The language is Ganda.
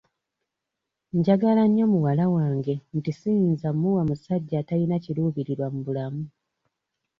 Njagala nnyo muwala wange nti siyinza mmuwa musajja atalina kiruubiriwa mu bulamu.